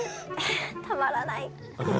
たまらない！